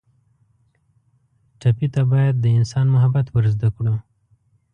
ټپي ته باید د انسان محبت ور زده کړو.